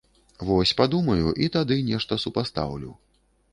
Вось падумаю і тады нешта супастаўлю.